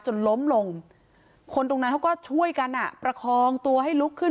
จนล้มลงคนตรงนั้นเขาก็ช่วยกันอ่ะประคองตัวให้ลุกขึ้น